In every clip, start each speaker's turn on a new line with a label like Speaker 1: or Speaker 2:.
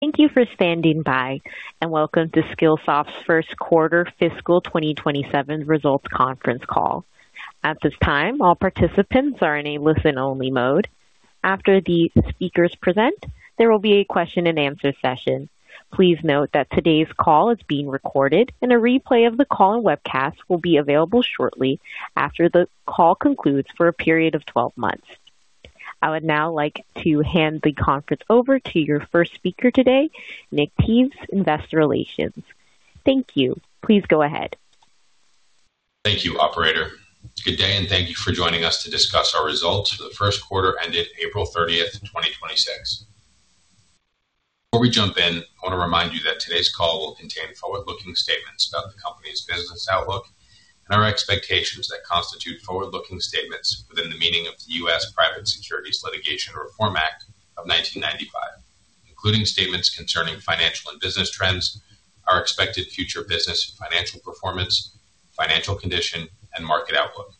Speaker 1: Thank you for standing by, and welcome to Skillsoft's First Quarter Fiscal 2027 Results Conference Call. At this time, all participants are in a listen-only mode. After the speakers present, there will be a question and answer session. Please note that today's call is being recorded, and a replay of the call and webcast will be available shortly after the call concludes for a period of 12 months. I would now like to hand the conference over to your first speaker today, Nick Teves, investor relations. Thank you. Please go ahead.
Speaker 2: Thank you, operator. Good day, and thank you for joining us to discuss our results for the first quarter ended April 30th, 2026. Before we jump in, I want to remind you that today's call will contain forward-looking statements about the company's business outlook and our expectations that constitute forward-looking statements within the meaning of the U.S. Private Securities Litigation Reform Act of 1995, including statements concerning financial and business trends, our expected future business and financial performance, financial condition, and market outlook.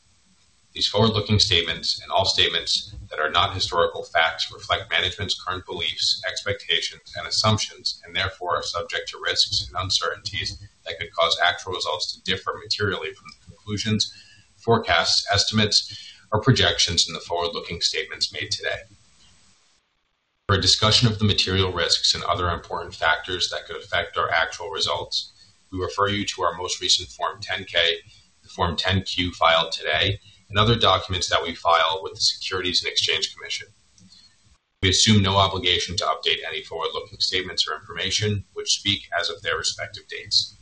Speaker 2: These forward-looking statements, and all statements that are not historical facts, reflect management's current beliefs, expectations, and assumptions, and therefore are subject to risks and uncertainties that could cause actual results to differ materially from the conclusions, forecasts, estimates, or projections in the forward-looking statements made today. For a discussion of the material risks and other important factors that could affect our actual results, we refer you to our most recent Form 10-K, the Form 10-Q filed today, and other documents that we file with the Securities and Exchange Commission. We assume no obligation to update any forward-looking statements or information, which speak as of their respective dates.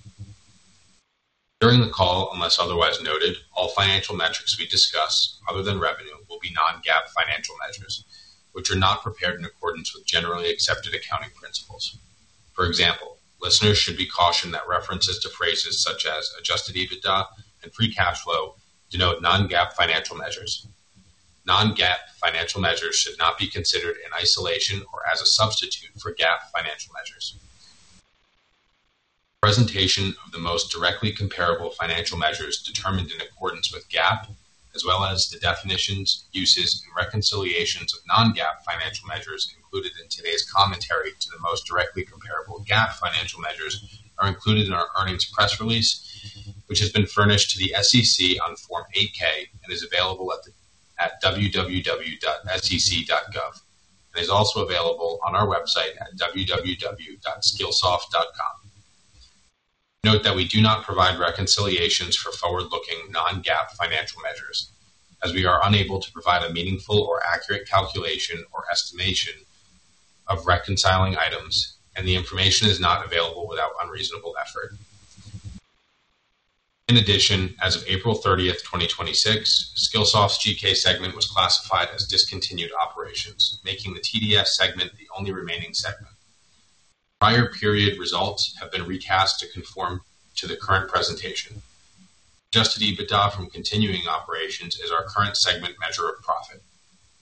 Speaker 2: During the call, unless otherwise noted, all financial metrics we discuss, other than revenue, will be non-GAAP financial measures, which are not prepared in accordance with generally accepted accounting principles. For example, listeners should be cautioned that references to phrases such as adjusted EBITDA and free cash flow denote non-GAAP financial measures. Non-GAAP financial measures should not be considered in isolation or as a substitute for GAAP financial measures. Presentation of the most directly comparable financial measures determined in accordance with GAAP as well as the definitions, uses, and reconciliations of non-GAAP financial measures included in today's commentary to the most directly comparable GAAP financial measures are included in our earnings press release, which has been furnished to the SEC on Form 8-K and is available at www.sec.gov. It is also available on our website at www.skillsoft.com. Note that we do not provide reconciliations for forward-looking non-GAAP financial measures, as we are unable to provide a meaningful or accurate calculation or estimation of reconciling items, and the information is not available without unreasonable effort. In addition, as of April 30th, 2026, Skillsoft's GK segment was classified as discontinued operations, making the TDS segment the only remaining segment. Prior period results have been recast to conform to the current presentation. Adjusted EBITDA from continuing operations is our current segment measure of profit.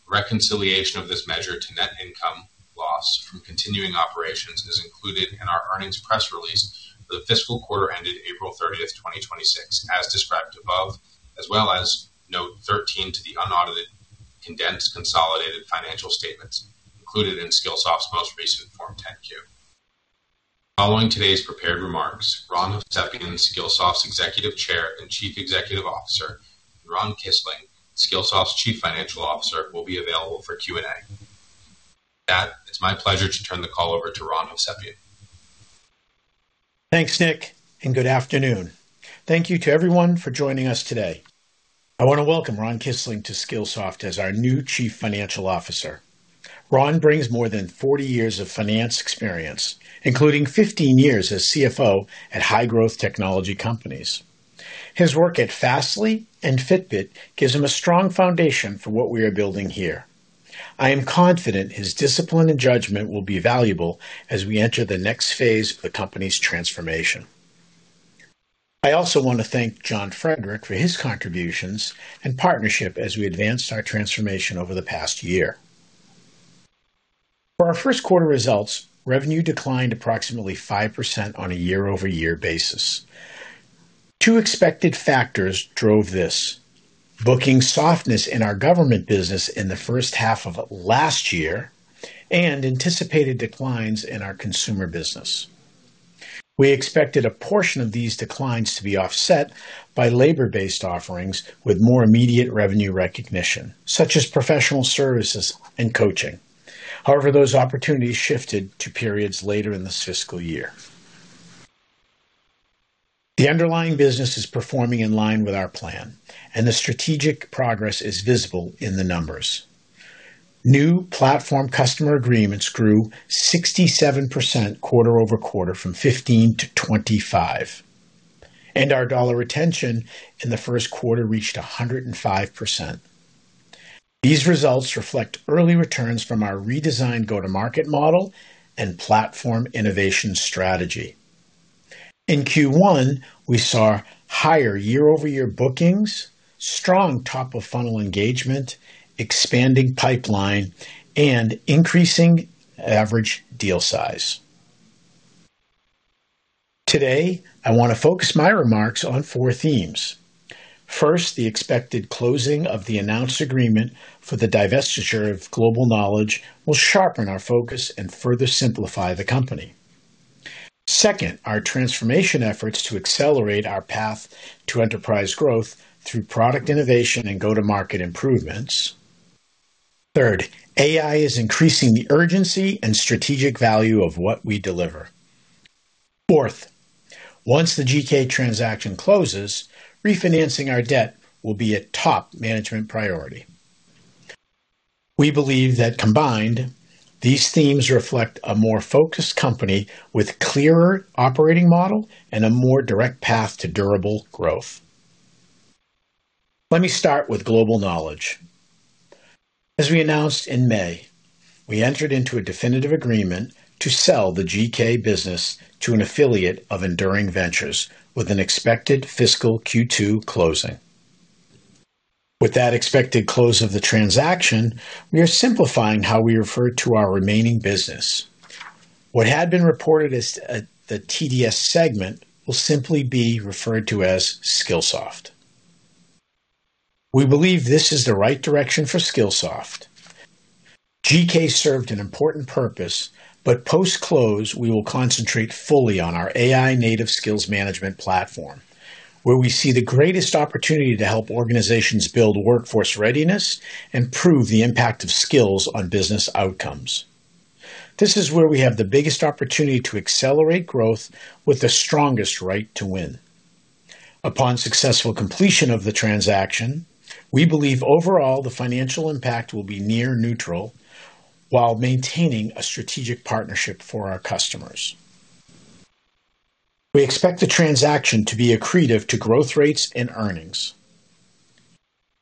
Speaker 2: Reconciliation of this measure to net income loss from continuing operations is included in our earnings press release for the fiscal quarter ended April 30th, 2026, as described above, as well as Note 13 to the unaudited, condensed, consolidated financial statements included in Skillsoft's most recent Form 10-Q. Following today's prepared remarks, Ron Hovsepian, Skillsoft's Executive Chair and Chief Executive Officer, and Ron Kisling, Skillsoft's Chief Financial Officer, will be available for Q&A. With that, it's my pleasure to turn the call over to Ron Hovsepian.
Speaker 3: Thanks, Nick, and good afternoon. Thank you to everyone for joining us today. I want to welcome Ron Kisling to Skillsoft as our new Chief Financial Officer. Ron brings more than 40 years of finance experience, including 15 years as CFO at high-growth technology companies. His work at Fastly and Fitbit gives him a strong foundation for what we are building here. I am confident his discipline and judgment will be valuable as we enter the next phase of the company's transformation. I also want to thank John Frederick for his contributions and partnership as we advanced our transformation over the past year. For our first quarter results, revenue declined approximately 5% on a year-over-year basis. Two expected factors drove this. Booking softness in our government business in the first half of last year, and anticipated declines in our consumer business. We expected a portion of these declines to be offset by labor-based offerings with more immediate revenue recognition, such as professional services and coaching. Those opportunities shifted to periods later in this fiscal year. The underlying business is performing in line with our plan, and the strategic progress is visible in the numbers. New platform customer agreements grew 67% quarter-over-quarter from 15 to 25, and our dollar retention in the first quarter reached 105%. These results reflect early returns from our redesigned go-to-market model and platform innovation strategy. In Q1, we saw higher year-over-year bookings, strong top-of-funnel engagement, expanding pipeline, and increasing average deal size. Today, I want to focus my remarks on four themes. First, the expected closing of the announced agreement for the divestiture of Global Knowledge will sharpen our focus and further simplify the company. Second, our transformation efforts to accelerate our path to enterprise growth through product innovation and go-to-market improvements. Third, AI is increasing the urgency and strategic value of what we deliver. Fourth, once the GK transaction closes, refinancing our debt will be a top management priority. We believe that combined, these themes reflect a more focused company with clearer operating model and a more direct path to durable growth. Let me start with Global Knowledge. As we announced in May, we entered into a definitive agreement to sell the GK business to an affiliate of Enduring Ventures with an expected fiscal Q2 closing. With that expected close of the transaction, we are simplifying how we refer to our remaining business. What had been reported as the TDS segment will simply be referred to as Skillsoft. We believe this is the right direction for Skillsoft. GK served an important purpose, but post-close, we will concentrate fully on our AI-native skills management platform, where we see the greatest opportunity to help organizations build workforce readiness and prove the impact of skills on business outcomes. This is where we have the biggest opportunity to accelerate growth with the strongest right to win. Upon successful completion of the transaction, we believe overall the financial impact will be near neutral while maintaining a strategic partnership for our customers. We expect the transaction to be accretive to growth rates and earnings.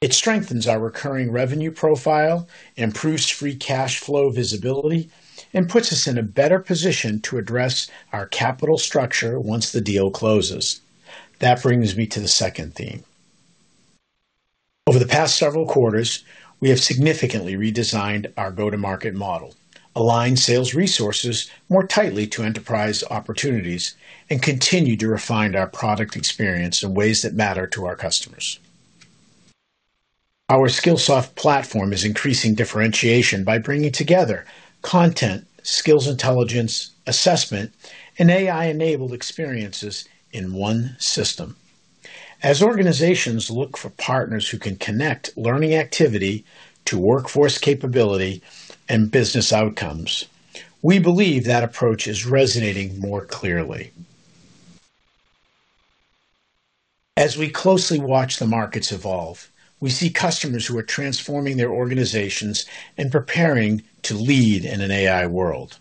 Speaker 3: It strengthens our recurring revenue profile, improves free cash flow visibility, and puts us in a better position to address our capital structure once the deal closes. That brings me to the second theme. Over the past several quarters, we have significantly redesigned our go-to-market model, aligned sales resources more tightly to enterprise opportunities, and continued to refine our product experience in ways that matter to our customers. Our Skillsoft platform is increasing differentiation by bringing together content, skills intelligence, assessment, and AI-enabled experiences in one system. As organizations look for partners who can connect learning activity to workforce capability and business outcomes, we believe that approach is resonating more clearly. As we closely watch the markets evolve, we see customers who are transforming their organizations and preparing to lead in an AI world.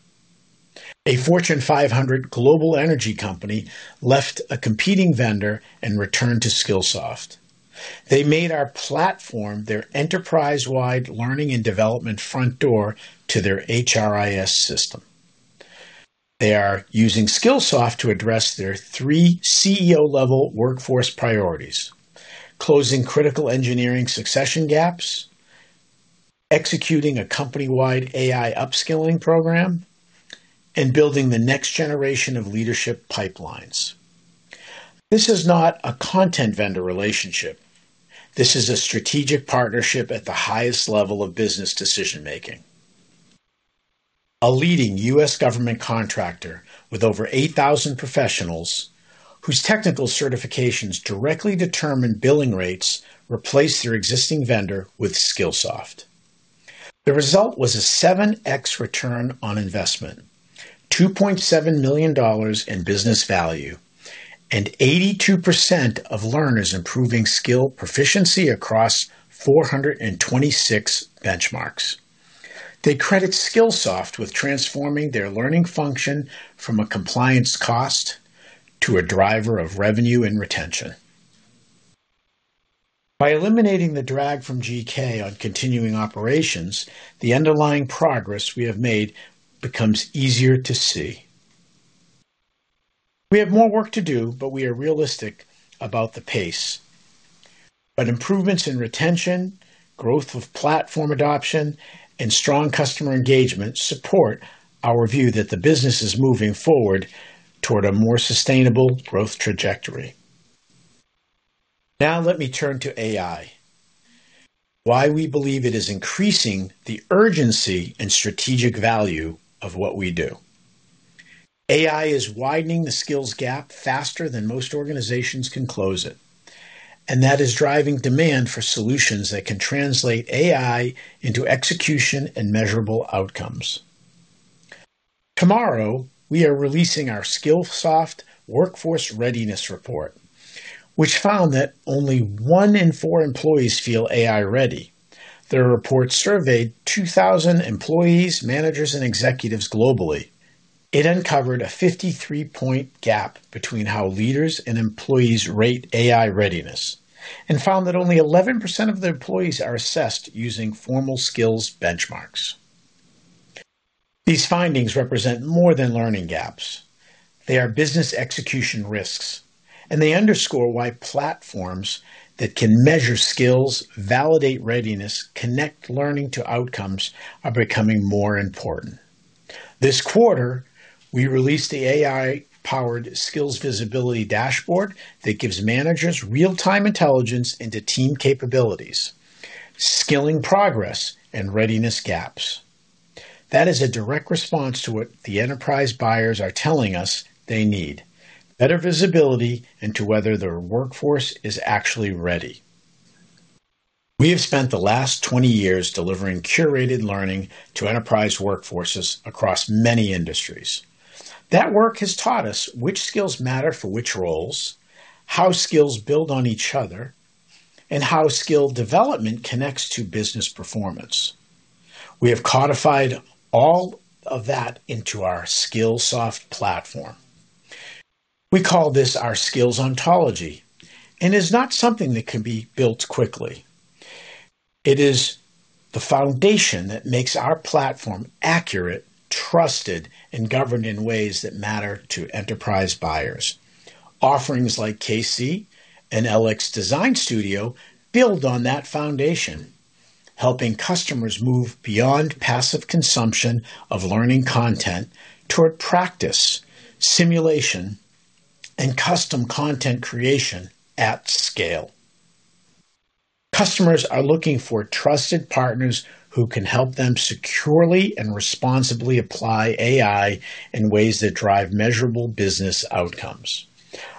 Speaker 3: A Fortune 500 global energy company left a competing vendor and returned to Skillsoft. They made our platform their enterprise-wide learning and development front door to their HRIS system. They are using Skillsoft to address their three CEO-level workforce priorities, closing critical engineering succession gaps, executing a company-wide AI upskilling program, and building the next generation of leadership pipelines. This is not a content vendor relationship. This is a strategic partnership at the highest level of business decision-making. A leading U.S. government contractor with over 8,000 professionals, whose technical certifications directly determine billing rates, replaced their existing vendor with Skillsoft. The result was a 7x return on investment, $2.7 million in business value, and 82% of learners improving skill proficiency across 426 benchmarks. They credit Skillsoft with transforming their learning function from a compliance cost to a driver of revenue and retention. By eliminating the drag from GK on continuing operations, the underlying progress we have made becomes easier to see. We have more work to do, but we are realistic about the pace. Improvements in retention, growth of platform adoption, and strong customer engagement support our view that the business is moving forward toward a more sustainable growth trajectory. Now let me turn to AI, why we believe it is increasing the urgency and strategic value of what we do. AI is widening the skills gap faster than most organizations can close it, and that is driving demand for solutions that can translate AI into execution and measurable outcomes. Tomorrow, we are releasing our Skillsoft Workforce Readiness Report, which found that only one in four employees feel AI-ready. The report surveyed 2,000 employees, managers, and executives globally. It uncovered a 53-point gap between how leaders and employees rate AI readiness and found that only 11% of the employees are assessed using formal skills benchmarks. These findings represent more than learning gaps. They are business execution risks. They underscore why platforms that can measure skills, validate readiness, connect learning to outcomes are becoming more important. This quarter, we released the AI-powered skills visibility dashboard that gives managers real-time intelligence into team capabilities, skilling progress, and readiness gaps. That is a direct response to what the enterprise buyers are telling us they need. Better visibility into whether their workforce is actually ready. We have spent the last 20 years delivering curated learning to enterprise workforces across many industries. That work has taught us which skills matter for which roles, how skills build on each other, and how skill development connects to business performance. We have codified all of that into our Skillsoft platform. We call this our skills ontology. It's not something that can be built quickly. It is the foundation that makes our platform accurate, trusted, and governed in ways that matter to enterprise buyers. Offerings like CAISY and LX Design Studio build on that foundation, helping customers move beyond passive consumption of learning content toward practice, simulation, and custom content creation at scale. Customers are looking for trusted partners who can help them securely and responsibly apply AI in ways that drive measurable business outcomes.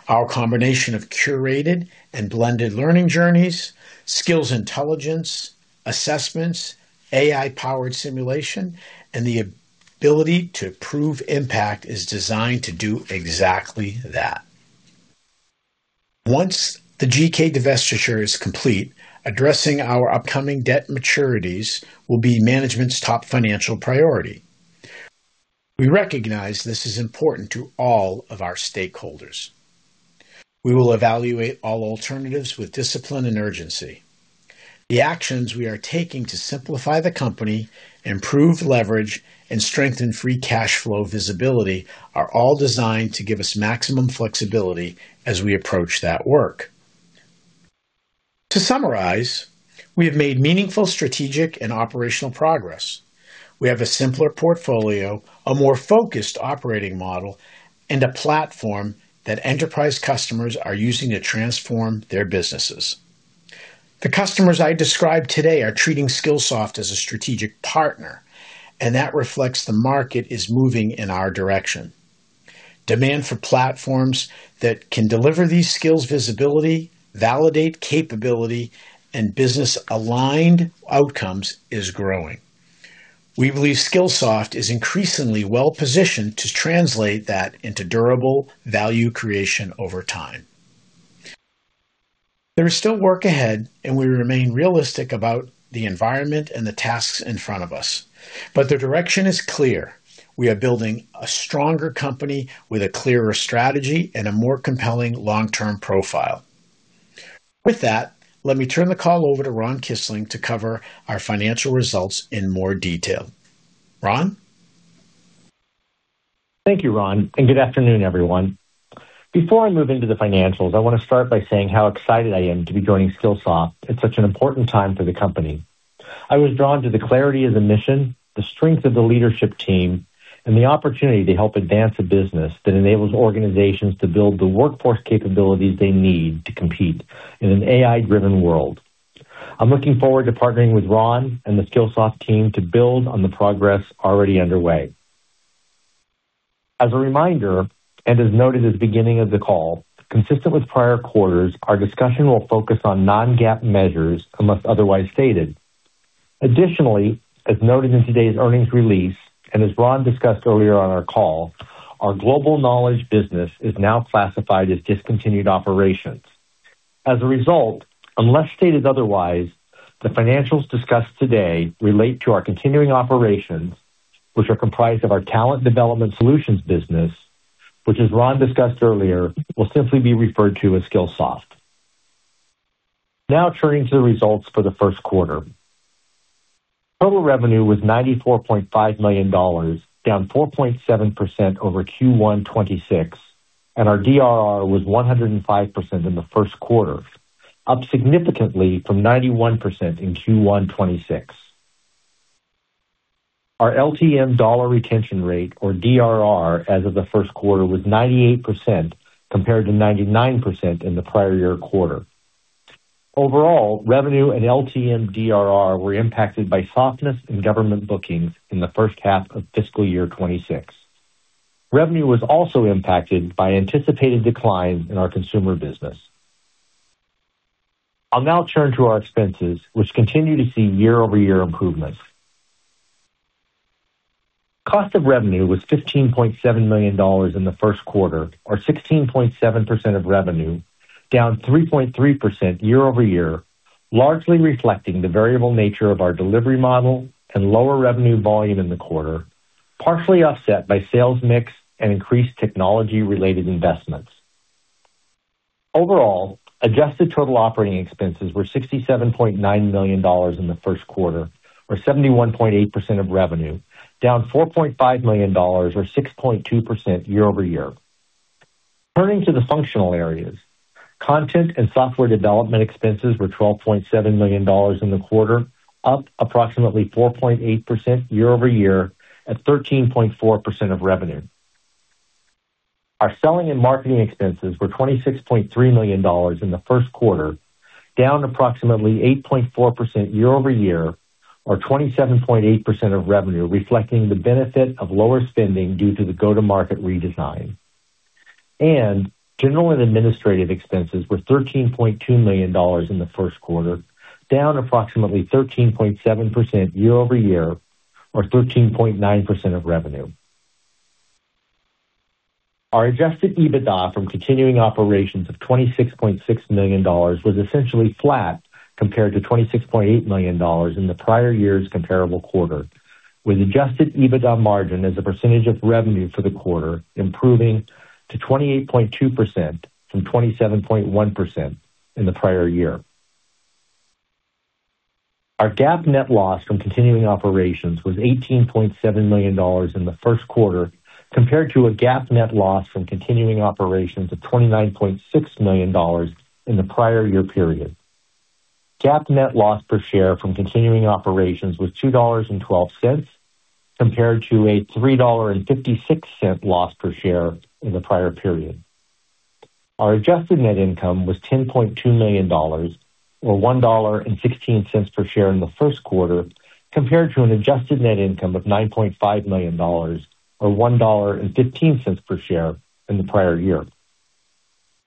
Speaker 3: Our combination of curated and blended learning journeys, skills intelligence, assessments, AI-powered simulation, and the ability to prove impact is designed to do exactly that. Once the GK divestiture is complete, addressing our upcoming debt maturities will be management's top financial priority. We recognize this is important to all of our stakeholders. We will evaluate all alternatives with discipline and urgency. The actions we are taking to simplify the company, improve leverage, and strengthen free cash flow visibility are all designed to give us maximum flexibility as we approach that work. To summarize, we have made meaningful strategic and operational progress. We have a simpler portfolio, a more focused operating model, and a platform that enterprise customers are using to transform their businesses. The customers I described today are treating Skillsoft as a strategic partner. That reflects the market is moving in our direction. Demand for platforms that can deliver these skills visibility, validate capability, and business-aligned outcomes is growing. We believe Skillsoft is increasingly well-positioned to translate that into durable value creation over time. There is still work ahead. We remain realistic about the environment and the tasks in front of us. The direction is clear. We are building a stronger company with a clearer strategy and a more compelling long-term profile. With that, let me turn the call over to Ron Kisling to cover our financial results in more detail. Ron?
Speaker 4: Thank you, Ron, and good afternoon, everyone. Before I move into the financials, I want to start by saying how excited I am to be joining Skillsoft at such an important time for the company. I was drawn to the clarity of the mission, the strength of the leadership team, and the opportunity to help advance a business that enables organizations to build the workforce capabilities they need to compete in an AI-driven world. I'm looking forward to partnering with Ron and the Skillsoft team to build on the progress already underway. As a reminder, as noted at the beginning of the call, consistent with prior quarters, our discussion will focus on non-GAAP measures, unless otherwise stated. Additionally, as noted in today's earnings release, as Ron discussed earlier on our call, our Global Knowledge business is now classified as discontinued operations. As a result, unless stated otherwise, the financials discussed today relate to our continuing operations, which are comprised of our Talent Development Solutions business, which, as Ron discussed earlier, will simply be referred to as Skillsoft. Turning to the results for the first quarter. Total revenue was $94.5 million, down 4.7% over Q1 2026. Our DRR was 105% in the first quarter, up significantly from 91% in Q1 2026. Our LTM dollar retention rate, or DRR, as of the first quarter, was 98%, compared to 99% in the prior year quarter. Overall, revenue and LTM DRR were impacted by softness in government bookings in the first half of fiscal year 2026. Revenue was also impacted by anticipated declines in our consumer business. I'll now turn to our expenses, which continue to see year-over-year improvements. Cost of revenue was $15.7 million in the first quarter, or 16.7% of revenue, down 3.3% year-over-year, largely reflecting the variable nature of our delivery model and lower revenue volume in the quarter, partially offset by sales mix and increased technology-related investments. Overall, adjusted total operating expenses were $67.9 million in the first quarter, or 71.8% of revenue, down $4.5 million, or 6.2% year-over-year. Turning to the functional areas. Content and software development expenses were $12.7 million in the quarter, up approximately 4.8% year-over-year at 13.4% of revenue. Our selling and marketing expenses were $26.3 million in the first quarter, down approximately 8.4% year-over-year or 27.8% of revenue, reflecting the benefit of lower spending due to the go-to-market redesign. General and administrative expenses were $13.2 million in the first quarter, down approximately 13.7% year-over-year or 13.9% of revenue. Our adjusted EBITDA from continuing operations of $26.6 million was essentially flat compared to $26.8 million in the prior year's comparable quarter, with adjusted EBITDA margin as a percentage of revenue for the quarter improving to 28.2% from 27.1% in the prior year. Our GAAP net loss from continuing operations was $18.7 million in the first quarter, compared to a GAAP net loss from continuing operations of $29.6 million in the prior year period. GAAP net loss per share from continuing operations was $2.12 compared to a $3.56 loss per share in the prior period. Our adjusted net income was $10.2 million, or $1.16 per share in the first quarter, compared to an adjusted net income of $9.5 million, or $1.15 per share in the prior year.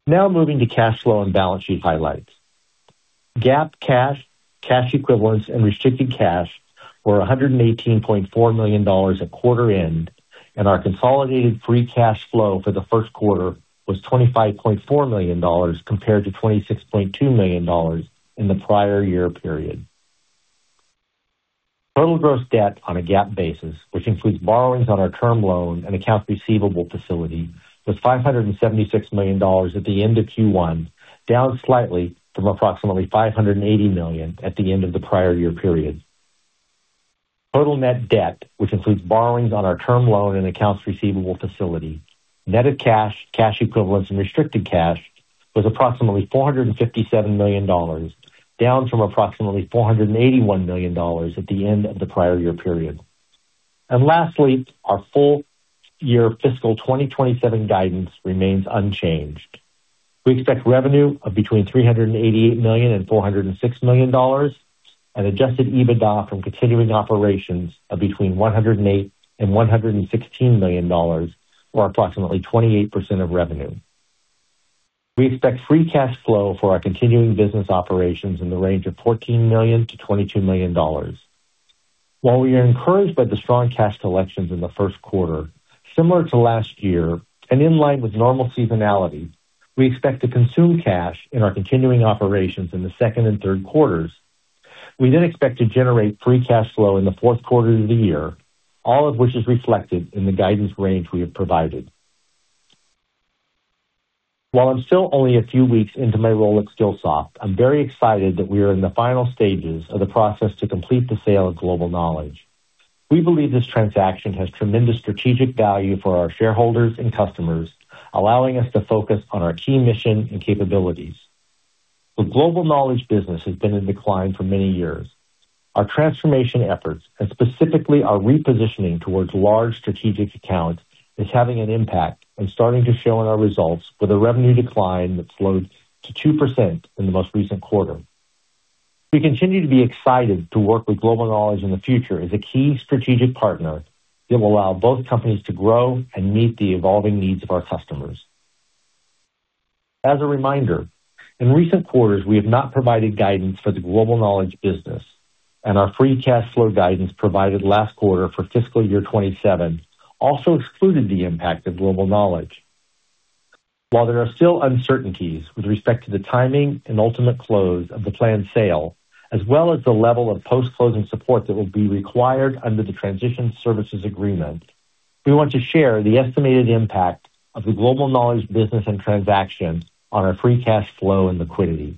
Speaker 4: Moving to cash flow and balance sheet highlights. GAAP cash equivalents, and restricted cash were $118.4 million at quarter end, and our consolidated free cash flow for the first quarter was $25.4 million compared to $26.2 million in the prior year period. Total gross debt on a GAAP basis, which includes borrowings on our term loan and accounts receivable facility, was $576 million at the end of Q1, down slightly from approximately $580 million at the end of the prior year period. Total net debt, which includes borrowings on our term loan and accounts receivable facility, net of cash equivalents, and restricted cash, was approximately $457 million, down from approximately $481 million at the end of the prior year period. Lastly, our full year fiscal 2027 guidance remains unchanged. We expect revenue of between $388 million and $406 million, adjusted EBITDA from continuing operations of between $108 million and $116 million, or approximately 28% of revenue. We expect free cash flow for our continuing business operations in the range of $14 million to $22 million. While we are encouraged by the strong cash collections in the first quarter, similar to last year and in line with normal seasonality, we expect to consume cash in our continuing operations in the second and third quarters. We expect to generate free cash flow in the fourth quarter of the year, all of which is reflected in the guidance range we have provided. While I'm still only a few weeks into my role at Skillsoft, I'm very excited that we are in the final stages of the process to complete the sale of Global Knowledge. We believe this transaction has tremendous strategic value for our shareholders and customers, allowing us to focus on our key mission and capabilities. The Global Knowledge business has been in decline for many years. Our transformation efforts, and specifically our repositioning towards large strategic accounts, is having an impact and starting to show in our results with a revenue decline that slowed to 2% in the most recent quarter. We continue to be excited to work with Global Knowledge in the future as a key strategic partner that will allow both companies to grow and meet the evolving needs of our customers. As a reminder, in recent quarters, we have not provided guidance for the Global Knowledge business, and our free cash flow guidance provided last quarter for fiscal year 2027 also excluded the impact of Global Knowledge. While there are still uncertainties with respect to the timing and ultimate close of the planned sale, as well as the level of post-closing support that will be required under the transition services agreement, we want to share the estimated impact of the Global Knowledge business and transaction on our free cash flow and liquidity.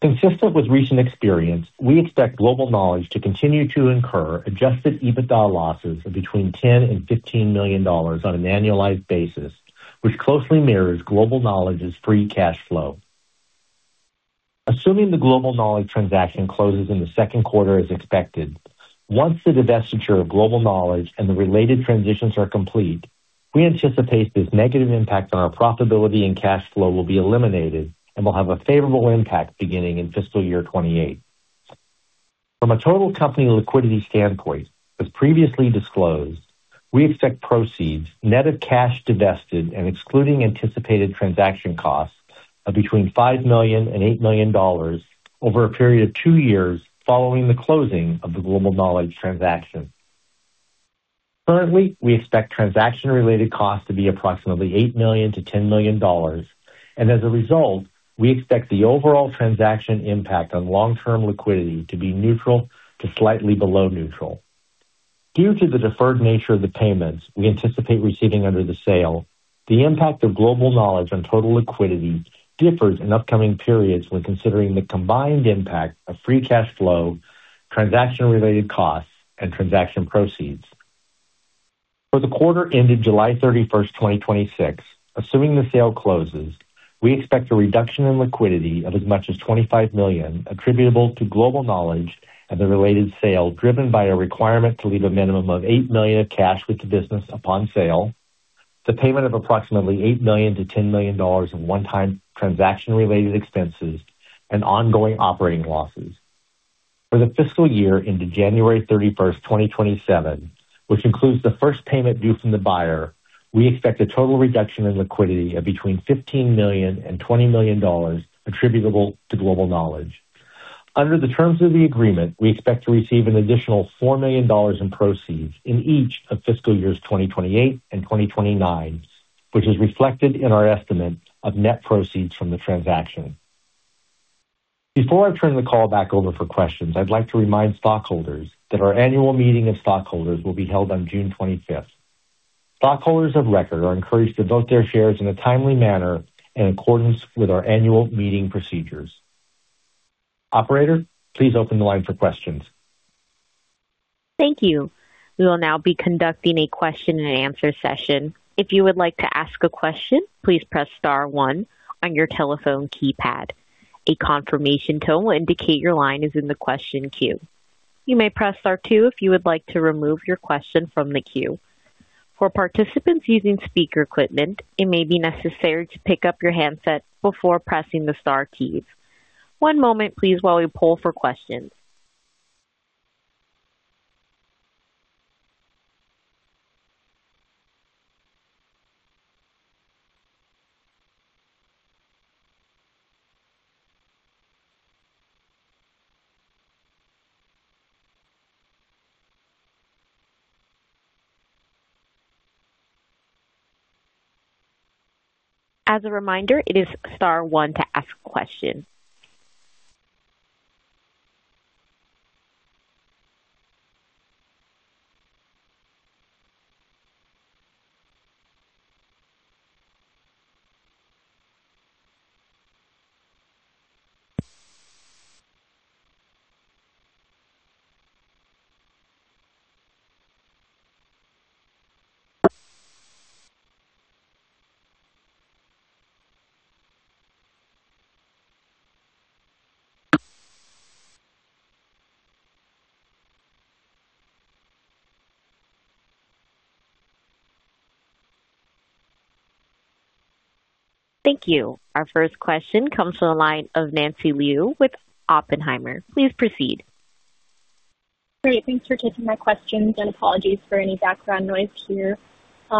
Speaker 4: Consistent with recent experience, we expect Global Knowledge to continue to incur adjusted EBITDA losses of between $10 million and $15 million on an annualized basis, which closely mirrors Global Knowledge's free cash flow. Assuming the Global Knowledge transaction closes in the second quarter as expected, once the divestiture of Global Knowledge and the related transitions are complete, we anticipate this negative impact on our profitability and cash flow will be eliminated and will have a favorable impact beginning in fiscal year 2028. From a total company liquidity standpoint, as previously disclosed, we expect proceeds net of cash divested and excluding anticipated transaction costs of between $5 million and $8 million over a period of two years following the closing of the Global Knowledge transaction. Currently, we expect transaction-related costs to be approximately $8 million-$10 million. As a result, we expect the overall transaction impact on long-term liquidity to be neutral to slightly below neutral. Due to the deferred nature of the payments we anticipate receiving under the sale, the impact of Global Knowledge on total liquidity differs in upcoming periods when considering the combined impact of free cash flow, transaction-related costs, and transaction proceeds. For the quarter ended July 31st, 2026, assuming the sale closes, we expect a reduction in liquidity of as much as $25 million attributable to Global Knowledge and the related sale, driven by a requirement to leave a minimum of $8 million of cash with the business upon sale, the payment of approximately $8 million-$10 million of one-time transaction-related expenses, and ongoing operating losses. For the fiscal year ended January 31st, 2027, which includes the first payment due from the buyer, we expect a total reduction in liquidity of between $15 million and $20 million attributable to Global Knowledge. Under the terms of the agreement, we expect to receive an additional $4 million in proceeds in each of fiscal years 2028 and 2029, which is reflected in our estimate of net proceeds from the transaction. Before I turn the call back over for questions, I'd like to remind stockholders that our annual meeting of stockholders will be held on June 25th. Stockholders of record are encouraged to vote their shares in a timely manner in accordance with our annual meeting procedures. Operator, please open the line for questions.
Speaker 1: Thank you. We will now be conducting a question and answer session. If you would like to ask a question, please press star one on your telephone keypad. A confirmation tone will indicate your line is in the question queue. You may press star two if you would like to remove your question from the queue. For participants using speaker equipment, it may be necessary to pick up your handset before pressing the star keys. One moment, please, while we poll for questions. As a reminder, it is star one to ask a question. Thank you. Our first question comes from the line of Nancy Liu with Oppenheimer. Please proceed.
Speaker 5: Great. Thanks for taking my questions, and apologies for any background noise here.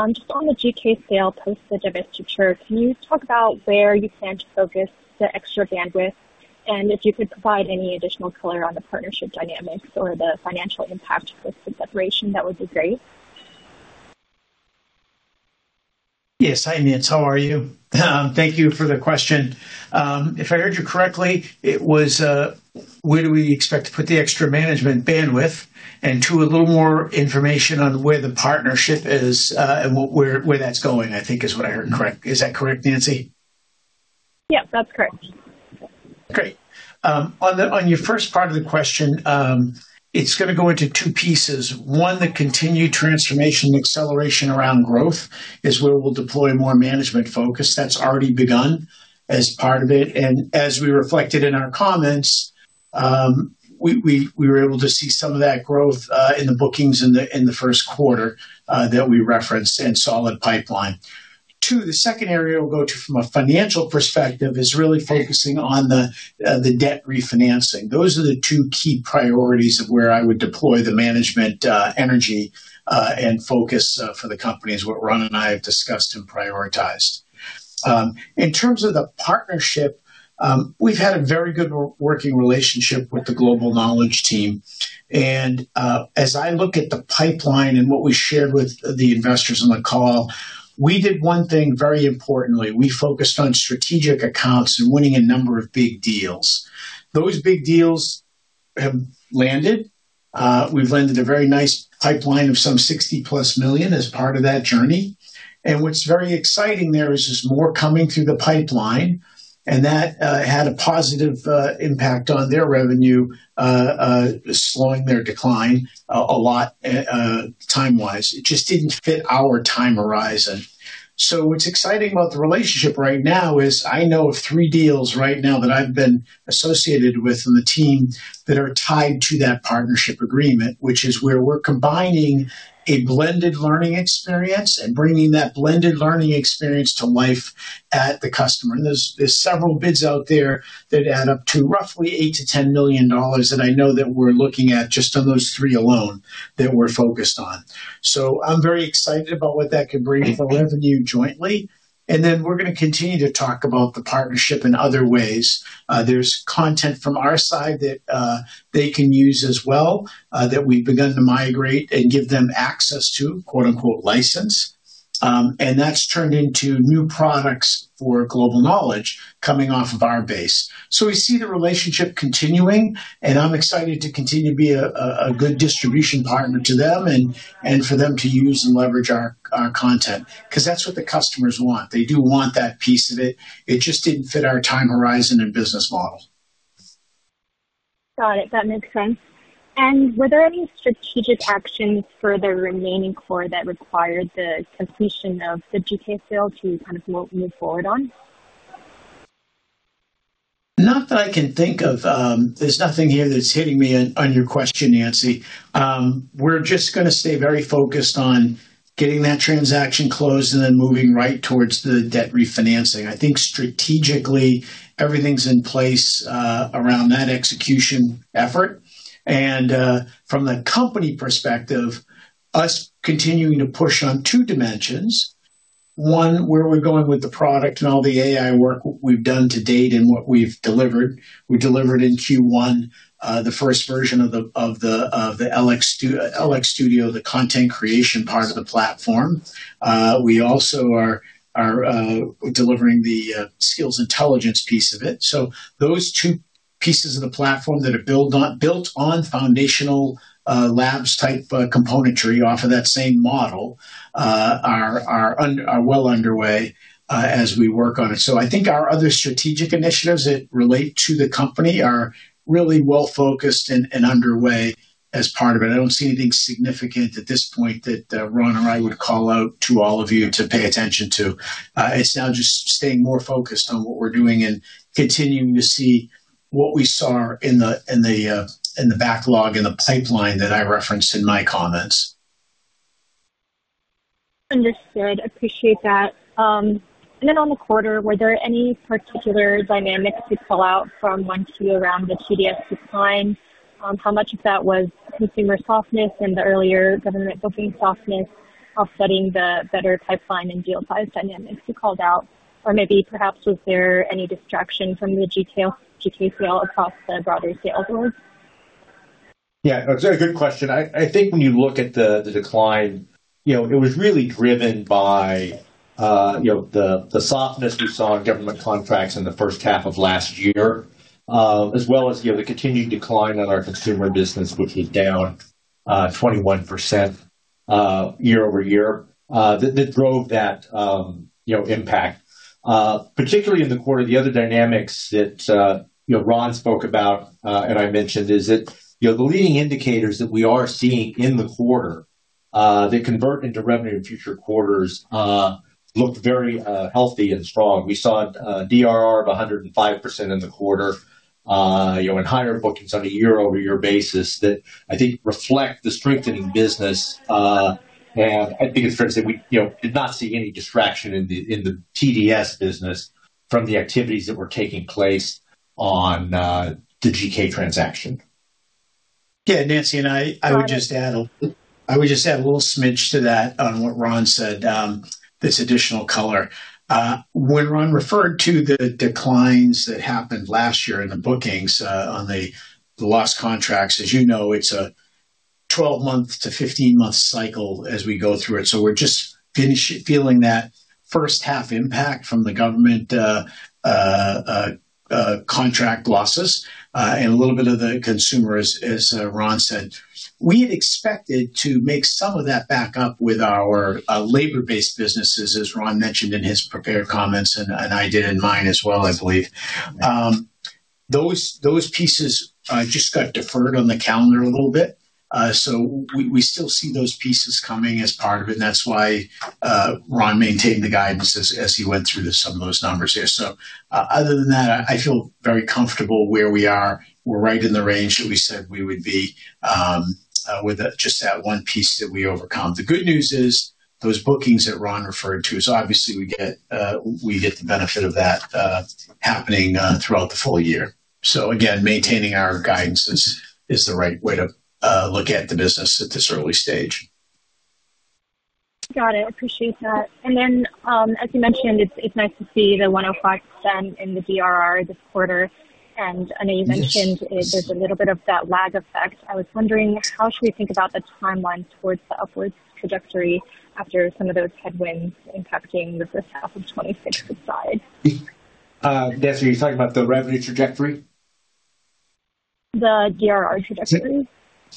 Speaker 5: Just on the GK sale post the divestiture, can you talk about where you plan to focus the extra bandwidth? If you could provide any additional color on the partnership dynamics or the financial impact with the separation, that would be great.
Speaker 3: Yes. Hi, Nancy. How are you? Thank you for the question. If I heard you correctly, it was, where do we expect to put the extra management bandwidth and, two, a little more information on where the partnership is, and where that's going, I think is what I heard, correct? Is that correct, Nancy?
Speaker 5: Yep, that's correct.
Speaker 3: Great. On your first part of the question, it's going to go into two pieces. One, the continued transformation and acceleration around growth is where we'll deploy more management focus. That's already begun as part of it. As we reflected in our comments, we were able to see some of that growth in the bookings in the first quarter that we referenced in solid pipeline. Two, the second area we'll go to from a financial perspective is really focusing on the debt refinancing. Those are the two key priorities of where I would deploy the management energy and focus for the company is what Ron and I have discussed and prioritized. In terms of the partnership, we've had a very good working relationship with the Global Knowledge team. As I look at the pipeline and what we shared with the investors on the call, we did one thing very importantly. We focused on strategic accounts and winning a number of big deals. Those big deals have landed. We've landed a very nice pipeline of some $60+ million as part of that journey. What's very exciting there is just more coming through the pipeline, and that had a positive impact on their revenue, slowing their decline a lot time-wise. It just didn't fit our time horizon. What's exciting about the relationship right now is I know of three deals right now that I've been associated with on the team that are tied to that partnership agreement, which is where we're combining a blended learning experience and bringing that blended learning experience to life at the customer. There's several bids out there that add up to roughly $8 million-$10 million that I know that we're looking at just on those three alone that we're focused on. I'm very excited about what that could bring for revenue jointly. Then we're going to continue to talk about the partnership in other ways. There's content from our side that they can use as well that we've begun to migrate and give them access to, quote unquote, "license." That's turned into new products for Global Knowledge coming off of our base. We see the relationship continuing, and I'm excited to continue to be a good distribution partner to them and for them to use and leverage our content, because that's what the customers want. They do want that piece of it. It just didn't fit our time horizon and business model.
Speaker 5: Got it. That makes sense. Were there any strategic actions for the remaining core that required the completion of the GK sale to move forward on?
Speaker 3: Not that I can think of. There's nothing here that's hitting me on your question, Nancy. We're just going to stay very focused on getting that transaction closed and then moving right towards the debt refinancing. I think strategically, everything's in place around that execution effort. From the company perspective, us continuing to push on two dimensions, one, where we're going with the product and all the AI work we've done to date and what we've delivered. We delivered in Q1 the first version of the LX Studio, the content creation part of the platform. We also are delivering the skills intelligence piece of it. Those two pieces of the platform that are built on foundational labs type componentry off of that same model are well underway as we work on it. I think our other strategic initiatives that relate to the company are really well-focused and underway as part of it. I don't see anything significant at this point that Ron and I would call out to all of you to pay attention to. It's now just staying more focused on what we're doing and continuing to see what we saw in the backlog and the pipeline that I referenced in my comments.
Speaker 5: Understood. Appreciate that. On the quarter, were there any particular dynamics you'd call out from Q1 to around the TDS decline? How much of that was consumer softness and the earlier government booking softness offsetting the better pipeline and deal size dynamics you called out? Or maybe perhaps was there any distraction from the GK sale across the broader sales org?
Speaker 4: It's a very good question. I think when you look at the decline, it was really driven by the softness we saw in government contracts in the first half of last year, as well as the continued decline in our consumer business, which was down 21% year-over-year. That drove that impact. Particularly in the quarter, the other dynamics that Ron spoke about and I mentioned is that the leading indicators that we are seeing in the quarter that convert into revenue in future quarters look very healthy and strong. We saw a DRR of 105% in the quarter, and higher bookings on a year-over-year basis that I think reflect the strengthening business. I think it's fair to say we did not see any distraction in the TDS business from the activities that were taking place on the GK transaction.
Speaker 3: Nancy, I would just add a little smidge to that on what Ron said, this additional color. When Ron referred to the declines that happened last year in the bookings on the lost contracts, as you know, it's a 12-month to 15-month cycle as we go through it. We're just feeling that first-half impact from the government contract losses, and a little bit of the consumer, as Ron said. We had expected to make some of that back up with our labor-based businesses, as Ron mentioned in his prepared comments, and I did in mine as well, I believe. Those pieces just got deferred on the calendar a little bit. We still see those pieces coming as part of it, and that's why Ron maintained the guidance as he went through some of those numbers here. Other than that, I feel very comfortable where we are. We're right in the range that we said we would be with just that one piece that we overcome. The good news is those bookings that Ron referred to, obviously we get the benefit of that happening throughout the full year. Again, maintaining our guidance is the right way to look at the business at this early stage.
Speaker 5: Got it. Appreciate that. Then, as you mentioned, it's nice to see the 105% in the DRR this quarter. I know you mentioned there's a little bit of that lag effect. I was wondering, how should we think about the timeline towards the upwards trajectory after some of those headwinds impacting the first half of 2026 subside?
Speaker 3: Nancy, are you talking about the revenue trajectory?
Speaker 5: The DRR trajectory.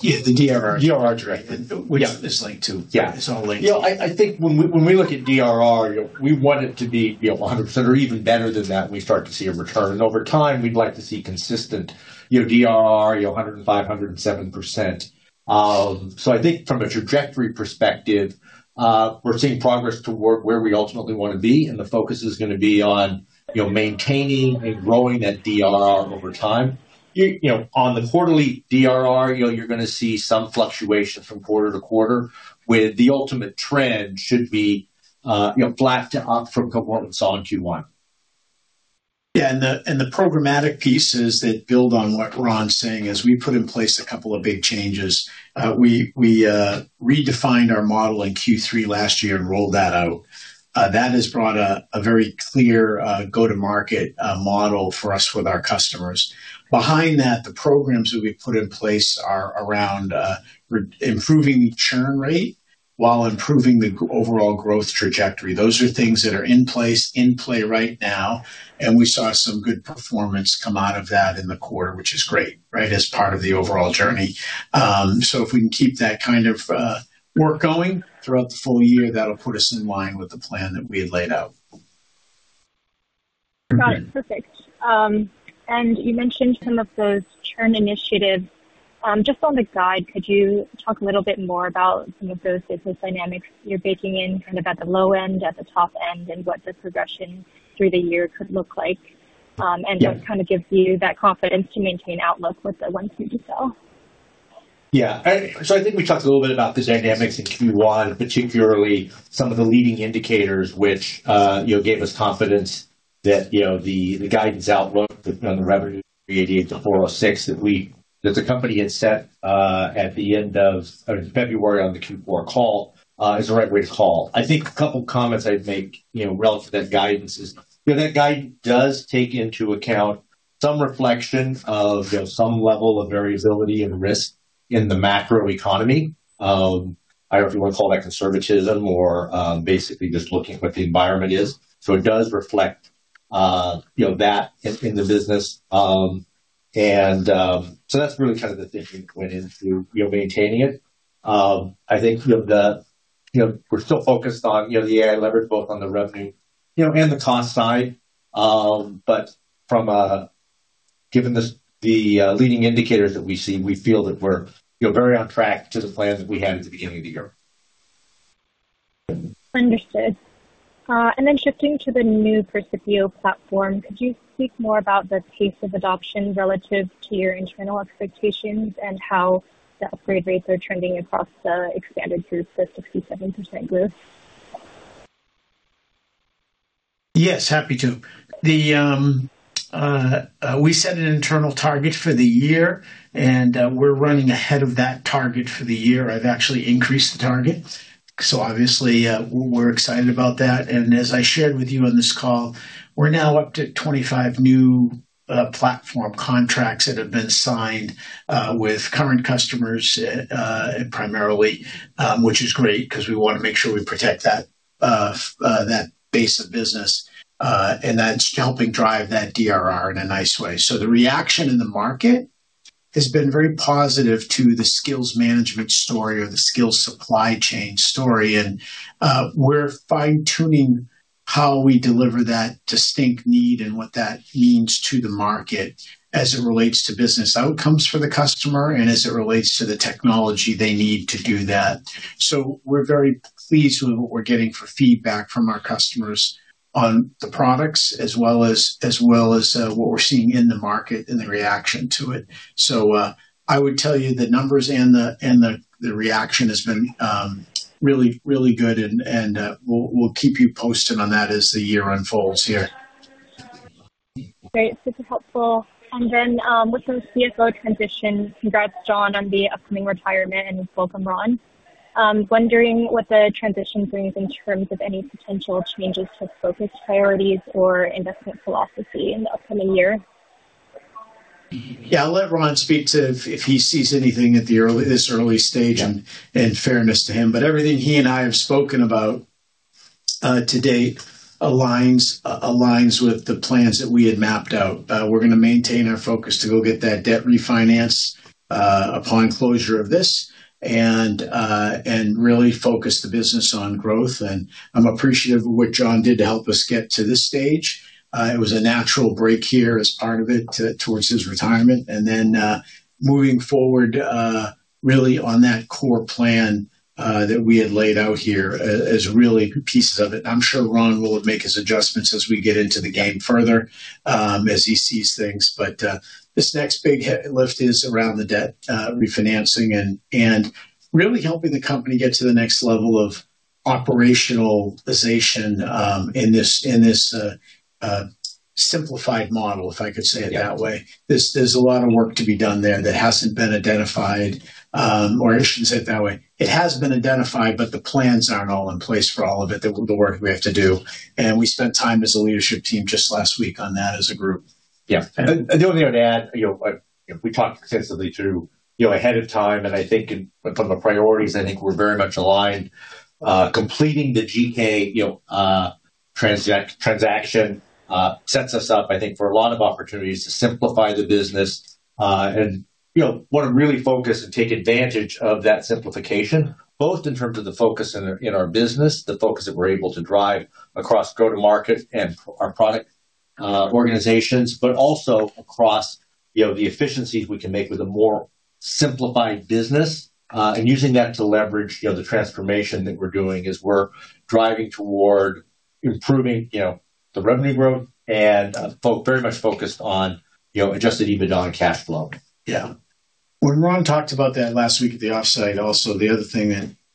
Speaker 4: Yeah, the DRR.
Speaker 3: DRR trajectory.
Speaker 4: This link to.
Speaker 3: Yeah.
Speaker 4: This all links. I think when we look at DRR, we want it to be 100% or even better than that, we start to see a return. Over time, we'd like to see consistent DRR, 105%-107%. I think from a trajectory perspective, we're seeing progress toward where we ultimately want to be, and the focus is going to be on maintaining and growing that DRR over time. On the quarterly DRR, you're going to see some fluctuation from quarter to quarter, with the ultimate trend should be flat to up from what we saw in Q1.
Speaker 3: Yeah. The programmatic pieces that build on what Ron's saying is we put in place a couple of big changes. We redefined our model in Q3 last year and rolled that out. That has brought a very clear go-to-market model for us with our customers. Behind that, the programs that we've put in place are around improving churn rate while improving the overall growth trajectory. Those are things that are in place, in play right now, and we saw some good performance come out of that in the quarter, which is great, as part of the overall journey. If we can keep that kind of work going throughout the full year, that'll put us in line with the plan that we had laid out.
Speaker 5: Got it. Perfect. You mentioned some of those churn initiatives. Just on the guide, could you talk a little bit more about some of those business dynamics you're baking in, kind of at the low end, at the top end, and what the progression through the year could look like? Just kind of gives you that confidence to maintain outlook with the ones you do sell.
Speaker 4: Yeah. We talked a little bit about the dynamics in Q1, particularly some of the leading indicators, which gave us confidence that the guidance outlook on the revenue of $388 to $406 that the company had set at the end of February on the Q4 call, is the right way to call. I think a couple of comments I'd make relative to that guidance is, that guide does take into account some reflection of some level of variability and risk in the macro economy. I don't know if you want to call that conservatism or basically just looking at what the environment is. It does reflect that in the business. That's really kind of the thinking that went into maintaining it. I think we're still focused on the AI leverage, both on the revenue, and the cost side. Given the leading indicators that we see, we feel that we're very on track to the plans that we had at the beginning of the year.
Speaker 5: Understood. Shifting to the new Percipio platform, could you speak more about the pace of adoption relative to your internal expectations and how the upgrade rates are trending across the expanded group, the 67% group?
Speaker 3: Yes, happy to. We set an internal target for the year, and we're running ahead of that target for the year. I've actually increased the target. Obviously, we're excited about that. As I shared with you on this call, we're now up to 25 new platform contracts that have been signed with current customers, primarily, which is great because we want to make sure we protect that base of business. That's helping drive that DRR in a nice way. The reaction in the market has been very positive to the skills management story or the skills supply chain story, and we're fine-tuning how we deliver that distinct need and what that means to the market as it relates to business outcomes for the customer and as it relates to the technology they need to do that. We're very pleased with what we're getting for feedback from our customers on the products as well as what we're seeing in the market and the reaction to it. I would tell you the numbers and the reaction has been really, really good, and we'll keep you posted on that as the year unfolds here.
Speaker 5: Great. Super helpful. With the CFO transition, congrats, John, on the upcoming retirement and welcome, Ron. I am wondering what the transition brings in terms of any potential changes to focus priorities or investment philosophy in the upcoming year.
Speaker 3: Yeah. I will let Ron speak to if he sees anything at this early stage.
Speaker 4: Yeah
Speaker 3: in fairness to him. Everything he and I have spoken about to date aligns with the plans that we had mapped out. We are going to maintain our focus to go get that debt refinance upon closure of this, really focus the business on growth. I am appreciative of what John did to help us get to this stage. It was a natural break here as part of it towards his retirement. Moving forward, really on that core plan that we had laid out here as really pieces of it. I am sure Ron will make his adjustments as we get into the game further, as he sees things. This next big lift is around the debt refinancing and really helping the company get to the next level of operationalization in this simplified model, if I could say it that way. There is a lot of work to be done there that has not been identified, or I should not say it that way. It has been identified, but the plans are not all in place for all of it, the work we have to do. We spent time as a leadership team just last week on that as a group.
Speaker 4: The only thing I would add, we talked extensively too ahead of time, and I think in terms of priorities, I think we're very much aligned. Completing the GK transaction sets us up, I think, for a lot of opportunities to simplify the business. Want to really focus and take advantage of that simplification, both in terms of the focus in our business, the focus that we're able to drive across go-to-market and our product organizations, but also across the efficiencies we can make with a more simplified business, and using that to leverage the transformation that we're doing as we're driving toward improving the revenue growth and very much focused on adjusted EBITDA and cash flow.
Speaker 3: When Ron talked about that last week at the offsite, also, the other thing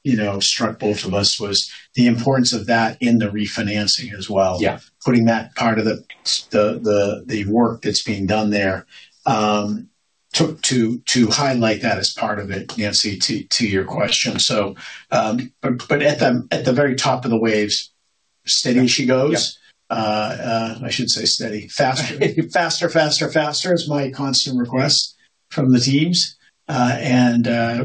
Speaker 3: that struck both of us was the importance of that in the refinancing as well.
Speaker 4: Yeah.
Speaker 3: Putting that part of the work that's being done there, to highlight that as part of it, Nancy, to your question. At the very top of the waves, steady she goes.
Speaker 4: Yeah.
Speaker 3: I shouldn't say steady. Faster, faster is my constant request from the teams.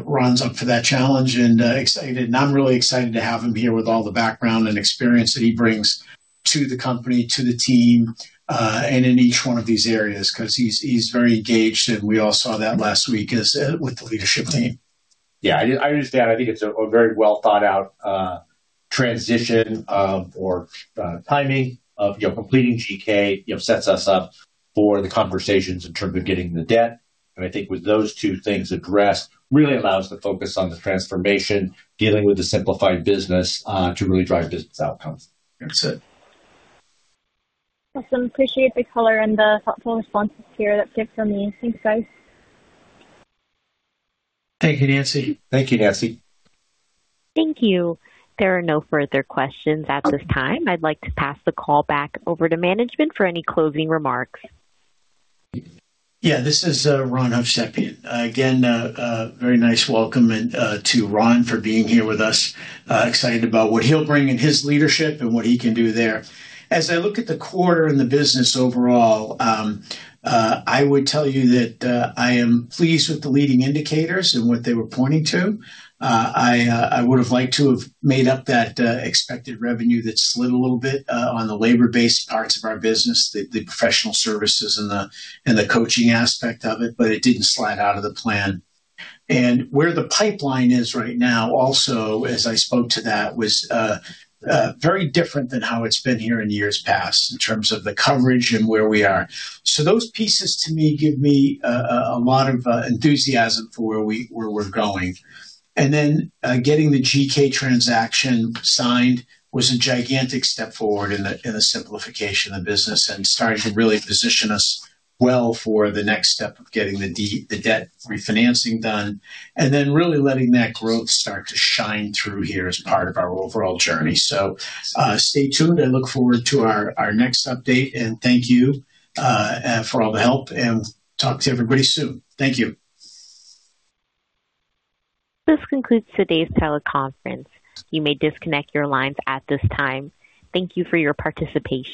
Speaker 3: Ron's up for that challenge and excited. I'm really excited to have him here with all the background and experience that he brings to the company, to the team, and in each one of these areas, because he's very engaged, and we all saw that last week with the leadership team.
Speaker 4: I understand. I think it's a very well thought out transition of, or timing of completing GK, sets us up for the conversations in terms of getting the debt. I think with those two things addressed, really allows the focus on the transformation, dealing with the simplified business, to really drive business outcomes.
Speaker 3: That's it.
Speaker 5: Awesome. Appreciate the color and the thoughtful responses here. That's good for me. Thanks, guys.
Speaker 3: Thank you, Nancy.
Speaker 4: Thank you, Nancy.
Speaker 1: Thank you. There are no further questions at this time. I'd like to pass the call back over to management for any closing remarks.
Speaker 3: Yeah, this is Ron Hovsepian. Again, a very nice welcome to Ron for being here with us. Excited about what he'll bring in his leadership and what he can do there. As I look at the quarter and the business overall, I would tell you that I am pleased with the leading indicators and what they were pointing to. I would've liked to have made up that expected revenue that slid a little bit on the labor-based parts of our business, the professional services and the coaching aspect of it, but it didn't slide out of the plan. Where the pipeline is right now also, as I spoke to that, was very different than how it's been here in years past, in terms of the coverage and where we are. Those pieces to me give me a lot of enthusiasm for where we're going. Getting the GK transaction signed was a gigantic step forward in the simplification of the business and starting to really position us well for the next step of getting the debt refinancing done, really letting that growth start to shine through here as part of our overall journey. Stay tuned. I look forward to our next update, thank you for all the help and talk to everybody soon. Thank you.
Speaker 1: This concludes today's teleconference. You may disconnect your lines at this time. Thank you for your participation.